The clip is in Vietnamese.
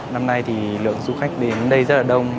năm nay thì lượng du khách đến đây rất là đông